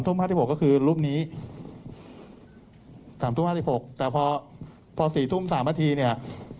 ๕๖ก็คือรูปนี้๓ทุ่ม๕๖แต่พอ๔ทุ่ม๓นาทีเนี่ย